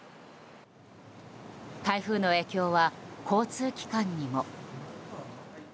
台風の影響は交通機関にも。